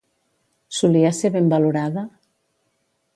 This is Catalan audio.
Solia ser ben valorada?